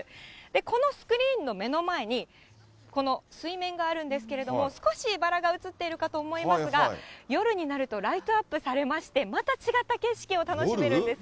このスクリーンの目の前に、この水面があるんですけれども、少しバラが映ってるかと思いますが、夜になるとライトアップされまして、また違った景色を楽しめるんです。